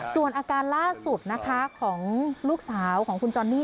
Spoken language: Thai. ส่วนอาการล่าสุดนะคะของลูกสาวของคุณจอนนี่